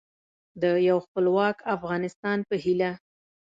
د یو خپلواک افغانستان په هیله